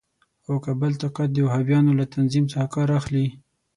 او که بل طاقت د وهابیانو له تنظیم څخه کار اخلي.